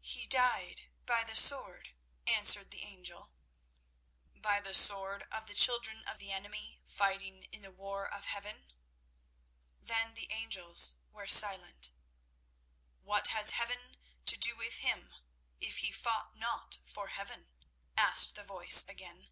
"He died by the sword," answered the angel. "By the sword of the children of the enemy, fighting in the war of Heaven?" Then the angels were silent. "What has Heaven to do with him, if he fought not for Heaven?" asked the voice again.